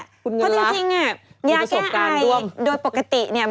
คุณเงินละมีประสบการณ์ด้วยเพราะจริงยาแก้อายโดยปกติ